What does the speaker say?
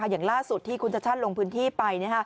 อย่างล่าสุดที่คุณชัชชาติลงพื้นที่ไป